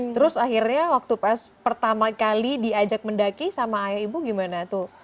terus akhirnya waktu pas pertama kali diajak mendaki sama ayah ibu gimana tuh